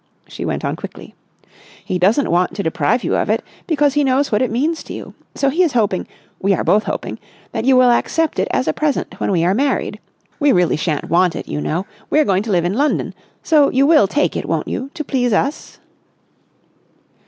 She went on quickly. "He doesn't want to deprive you of it, because he knows what it means to you. So he is hoping—we are both hoping—that you will accept it as a present when we are married. We really shan't want it, you know. We are going to live in London. So you will take it, won't you—to please us?"